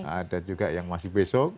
ada juga yang masih besok